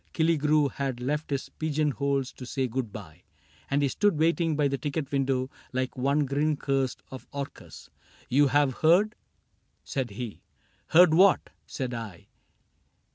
Killigrew Had left his pigeonholes to say good by. And he stood waiting by the ticket window Like one grin cursed of Orcus. — "You have heard ?" Said he. —" Heard what ?" said I.